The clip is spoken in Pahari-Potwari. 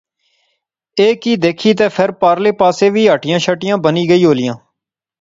ایہہ کی دیکھی تہ فیر پارلے پاسے وی ہٹیاں شٹیاں بنی گئیاں ہولیاں